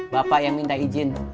bapak yang minta izin